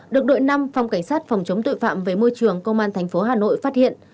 được đội năm phòng cảnh sát phòng chống tội phạm về môi trường công an thành phố hà nội phát hiện